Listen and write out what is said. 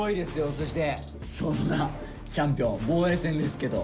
そしてそんなチャンピオン防衛戦ですけど。